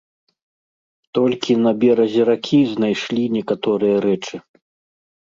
Толькі на беразе ракі знайшлі некаторыя рэчы.